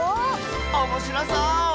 おもしろそう！